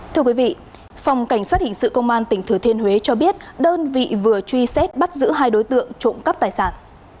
thưa quý vị phòng cảnh sát hình sự công an tỉnh thừa thiên huế cho biết đơn vị vừa truy xét bắt giữ hai đối tượng trộm cắp tài sản